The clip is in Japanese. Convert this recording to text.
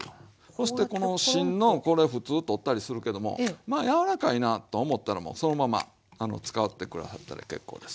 そしてこの芯のこれ普通取ったりするけどもまあ柔らかいなと思ったらもうそのまま使って下さったら結構です。